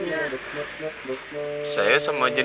udah tenang aja